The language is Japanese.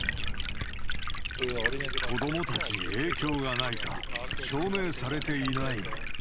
子どもたちに影響がないか、証明されていない。